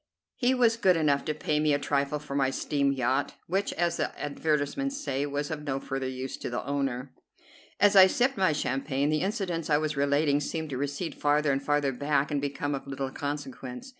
He was good enough to pay me a trifle for my steam yacht, which, as the advertisements say, was 'of no further use to the owner.'" As I sipped my champagne, the incidents I was relating seemed to recede farther and farther back and become of little consequence.